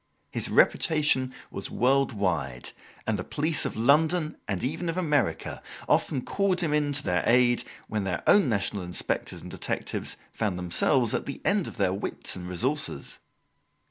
His reputation was world wide, and the police of London, and even of America, often called him in to their aid when their own national inspectors and detectives found themselves at the end of their wits and resources.